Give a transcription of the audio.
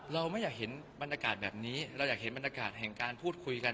เราไม่อยากเห็นบรรยากาศแบบนี้เราอยากเห็นบรรยากาศแห่งการพูดคุยกัน